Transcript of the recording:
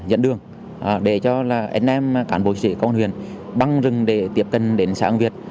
dẫn đường để cho nm cán bộ chủ trị công an huyện băng rừng để tiếp cận đến xã hưng việt